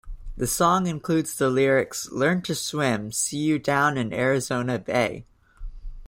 The song includes the lyrics Learn to swim, see you down in Arizona Bay.